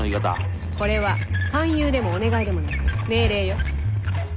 これは「勧誘」でも「お願い」でもなく「命令」よ。